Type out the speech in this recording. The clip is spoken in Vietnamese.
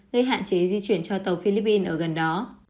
gây hạn chế di chuyển cho tàu philippines ở gần đó